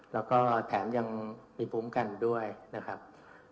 แล้วก็แถมยังมีภูมิกันด้วยนะครับ